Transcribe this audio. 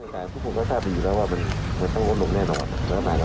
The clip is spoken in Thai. ถ้าอยู่ในจังหวัดไม่ไปไหน